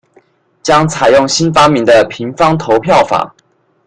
將採用新發明的「平方投票法」